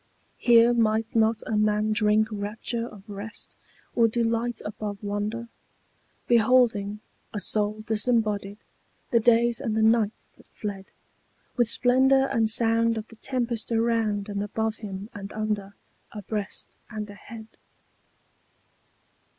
Here might not a man drink rapture of rest, or delight above wonder, Beholding, a soul disembodied, the days and the nights that fled, With splendour and sound of the tempest around and above him and under, Abreast and ahead?